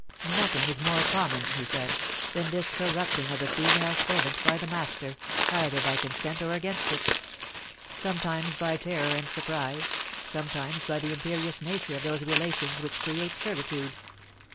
"Nothing is more common," he said, "than this corrupting of the female servant by the master, either by consent or against it; sometimes by terror and surprise, sometimes by the imperious nature of those relations which create servitude.